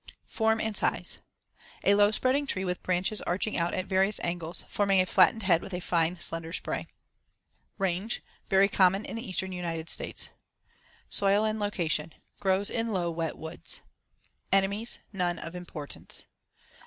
Form and size: A low spreading tree with branches arching out at various angles, forming a flattened head with a fine, slender spray. Range: Very common in the eastern United States. Soil and location: Grows in low wet woods. Enemies: None of importance.